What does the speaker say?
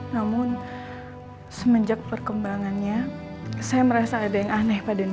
namun semenjak perkembangannya saya merasa ada yang aneh pak denny